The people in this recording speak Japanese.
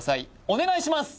お願いします！